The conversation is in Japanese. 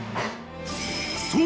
［そう！